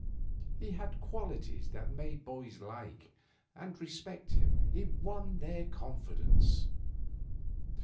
He had qualities that made boys like and respect him; he won their confidence.